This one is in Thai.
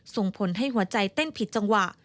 ส่งผลให้หัวใจเต้นผิดจังหวะ